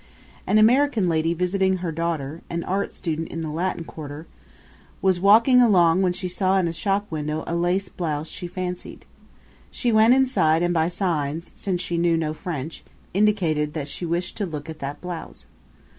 An American lady visiting her daughter, an art student in the Latin Quartier, was walking alone when she saw in a shop window a lace blouse she fancied. She went inside and by signs, since she knew no French, indicated that she wished to look at that blouse.